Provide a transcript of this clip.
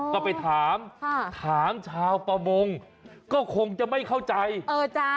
ก็ไปถามค่ะถามชาวประมงก็คงจะไม่เข้าใจเออจ้า